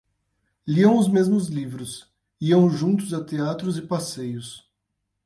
Liam os mesmos livros, iam juntos a teatros e passeios.